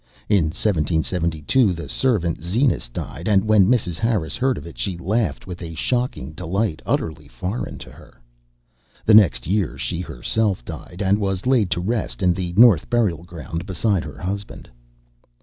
In 1772 the servant Zenas died, and when Mrs. Harris heard of it she laughed with a shocking delight utterly foreign to her. The next year she herself died, and was laid to rest in the North Burial Ground beside her husband.